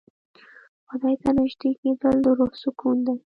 خدای ته نژدې کېدل د روح سکون دی.